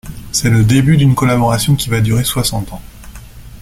C’est le début d’une collaboration qui va durer soixante ans.